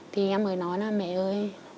thì em mới nói là mẹ ơi